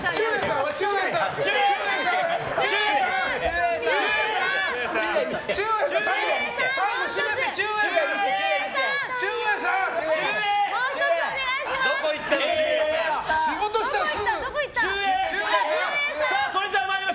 もう１つお願いします！